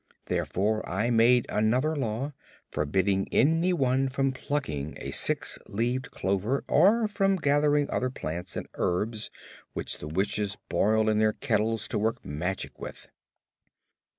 Therefore I made another Law forbidding anyone from plucking a six leaved clover or from gathering other plants and herbs which the Witches boil in their kettles to work magic with.